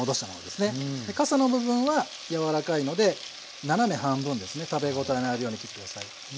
でかさの部分は柔らかいので斜め半分ですね食べ応えのあるように切って下さい。